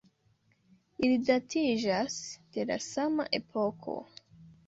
Ili datiĝas de la sama epoko.